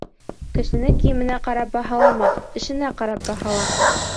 Кешене кейеменә ҡарап баһалама, эшенә ҡарап баһала.